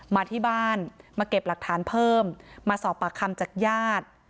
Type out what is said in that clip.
มาที่บ้านมาเก็บหลักฐานเพิ่มมาสอบปากคำจากญาติ